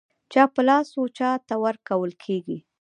چا په لاس و چاته ورکول کېږي.